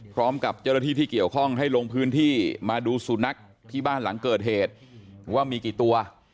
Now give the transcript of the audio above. พร้อมกับเจ้าหน้าที่ที่เกี่ยวข้องให้ลงพื้นที่มาดูสุนัขที่บ้านหลังเกิดเหตุว่ามีกี่ตัว